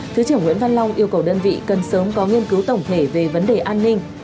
thứ trưởng nguyễn văn long yêu cầu đơn vị cần sớm có nghiên cứu tổng thể về vấn đề an ninh